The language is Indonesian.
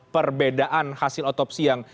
perbedaan hasil otopsi yang